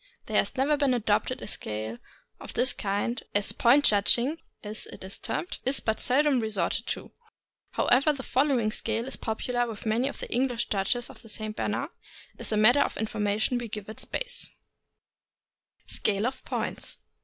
There has never been adopted a scale of this kind, as "point judging," as it is termed, is but seldom resorted to. However, the following scale is popular with many of the English judges of the St. Bernard, and as a matter of information we give it space: SCALE OF POINTS.